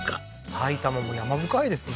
埼玉も山深いですね